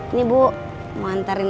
ini bu mau antarin